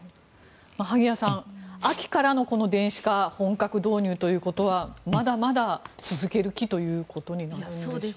萩谷さん、秋からの電子化本格導入ということはまだまだ続ける気ということになるんでしょうか。